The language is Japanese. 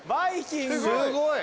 ・すごい！